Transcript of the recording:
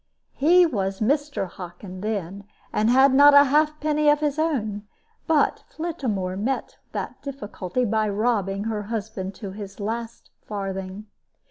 He was Mr. Hockin then, and had not a half penny of his own; but Flittamore met that difficulty by robbing her husband to his last farthing.